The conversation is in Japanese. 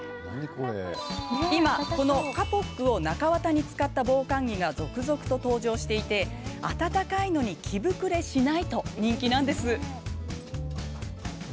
今、このカポックを中綿に使った防寒着が続々と登場していて暖かいのに着ぶくれしないと人気なんです。